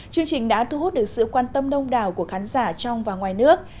chương trình đã thu hút được sự quan tâm đông đảo của khán giả trong và ngoài nước